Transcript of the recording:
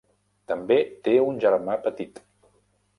També té un germà petit.